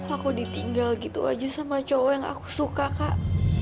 aku ditinggal gitu aja sama cowok yang aku suka kak